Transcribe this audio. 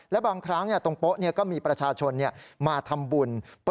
แล้วบางครั้งตรงโป๊ะก็มีประชาชนมาทำบุญปล่าตรงโป๊ะดังกล่าวอยู่บ่อยครั้งนะครับ